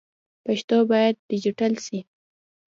پښتو باید ډيجيټل سي.